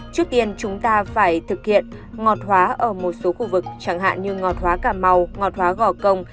trước tiên chúng ta phải thực hiện ngọt hóa ở một số khu vực chẳng hạn như ngọt hóa cà mau ngọt hóa gò công